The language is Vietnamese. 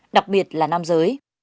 đặc biệt là nam giới